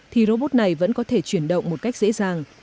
thì robot này vẫn có thể chuyển động một cách dễ dàng